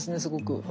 すごく。